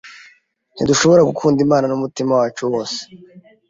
Ntidushobora gukunda Imana n’umutima wacu wose,